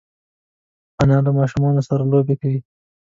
انا له ماشومانو سره لوبې کوي